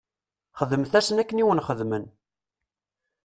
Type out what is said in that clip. Xdemt-asen akken i wen-xedmen.